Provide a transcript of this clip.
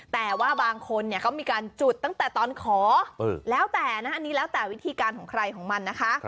แต่ว่าบางคนเนี่ยเขามีการจุดตั้งแต่ตอนขอแล้วแต่นะอันนี้แล้วแต่วิธีการของใครของมันนะคะ